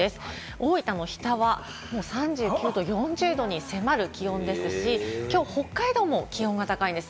大分の日田は３９度、４０度に迫る気温ですし、きょう北海道も気温が高いんです。